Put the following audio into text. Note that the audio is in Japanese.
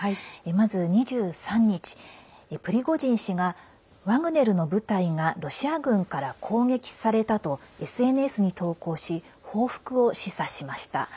まず２３日、プリゴジン氏がワグネルの部隊がロシア軍から攻撃されたとＳＮＳに投稿し報復を示唆しました。